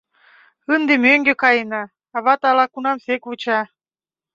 — Ынде мӧҥгӧ каена, ават ала-кунамсек вуча.